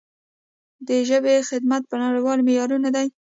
د ژبې خدمت په نړیوالو معیارونو دی.